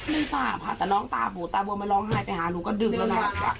ไม่ทราบค่ะแต่น้องตาหูตาบวมมันร้องไห้ไปหาหนูก็ดึงแล้วนะ